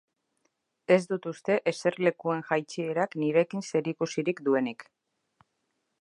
Ez dut uste eserlekuen jaitsierak nirekin zerikusirik duenik.